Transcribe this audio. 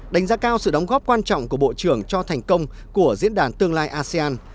đánh giá cao sự đóng góp quan trọng của bộ trưởng cho thành công của diễn đàn tương lai asean